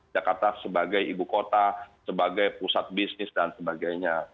jakarta sebagai ibu kota sebagai pusat bisnis dan sebagainya